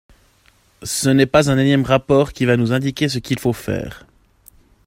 Ce n’est pas un énième rapport qui va nous indiquer ce qu’il faut faire.